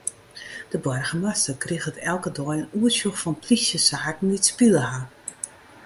De boargemaster kriget elke dei in oersjoch fan plysjesaken dy't spile ha.